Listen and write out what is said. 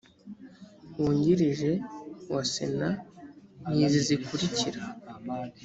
wungirije wa sena ni izi zikurikira